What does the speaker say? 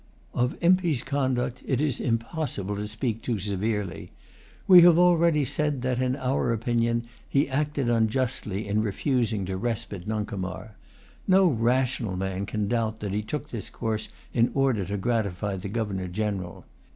Of Impey's conduct it is impossible to speak too severely. We have already said that, in our opinion, he acted unjustly in refusing to respite Nuncomar. No rational man can doubt that he took this course in order to gratify the Governor General.